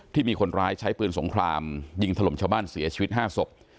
ที่มีคนร้ายใช้ปืนสงครามยิงถล่มชาวบ้านเสียชีวิต๕ศพ